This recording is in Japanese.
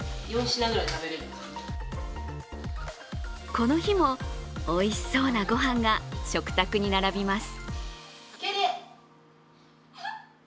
この日もおいしそうなごはんが食卓に並びます。